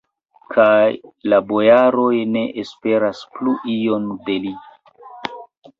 Kaj la bojaroj ne esperas plu ion de li.